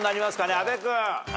阿部君。